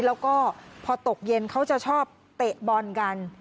แล้วก็พอตกเย็นเขาจะชอบเตะบอลกัน